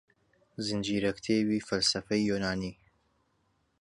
زنجیرەکتێبی فەلسەفەی یۆنانی